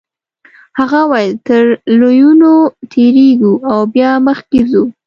هغه وویل تر لویینو تیریږو او بیا مخکې ځو.